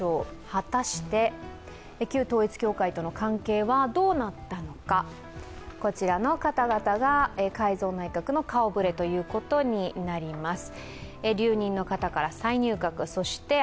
果たして旧統一教会との関係はどうなったのか、こちらの方々が改造内閣の顔ぶれということになります。